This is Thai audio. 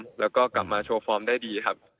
หลังจากนั้นก็กลับมาโชว์ฟอร์มได้ดีครับ